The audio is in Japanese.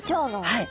はい。